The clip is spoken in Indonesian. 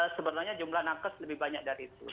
sebenarnya jumlah nakes lebih banyak dari itu